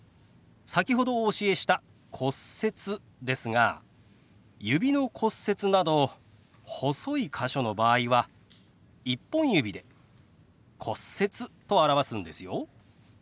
先ほどお教えした「骨折」ですが指の骨折など細い箇所の場合は１本指で「骨折」と表すんですよ。